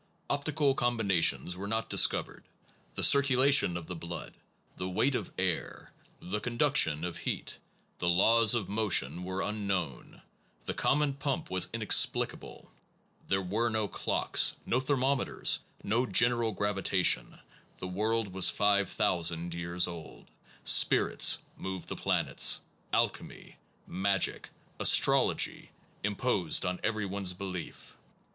Optical combinations were not discovered. The circulation of the blood, the weight of air, the conduction of heat, the laws of motion were unknown; the common pump was inexplicable; there were no clocks; no thermometers; no general gravita tion; the world was five thousand years old; spirits moved the planets; alchemy, magic, astrology, imposed on every one s belief.